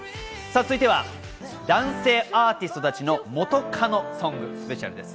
続いては男性アーティストたちの元カノソングスペシャルです。